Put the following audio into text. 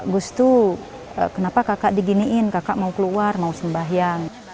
gusde kenapa kakak diginiin kakak mau keluar mau sembahyang